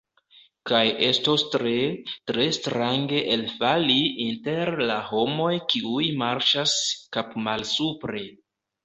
Kaj estos tre, tre strange elfali inter la homoj kiuj marŝas kapmalsupre!